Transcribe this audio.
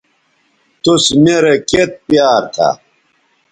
توس میرے کیئت پیار تھا